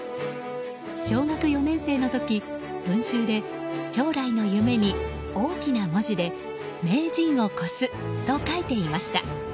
小学４年生の時、文集で将来の夢に大きな文字で「名人をこす」と書いていました。